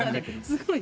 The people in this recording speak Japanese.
すごい。